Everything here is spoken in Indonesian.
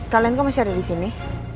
kalian kan masih ada di sini